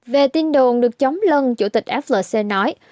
về tin đồn được chống lân chủ tịch flc nói